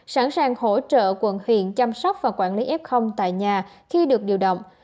sẵn sàng hỗ trợ quận huyện chăm sóc và quản lý f tại nhà khi được điều động